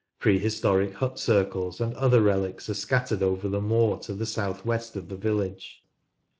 Prehistoric hut circles and other relics are scattered over the moor to the south west of the village.